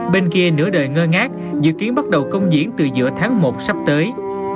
bên kia nửa đời ngơ ngát dự kiến bắt đầu công diễn từ giữa tháng một sắp tới